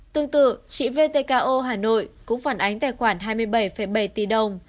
tương tự chị vtko hà nội cũng phản ánh tài khoản hai mươi bảy bảy tỷ đồng